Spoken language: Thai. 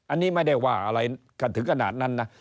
อันนี้ไม่ได้ว่าอะไรกันถึงขนาดนั้นนะ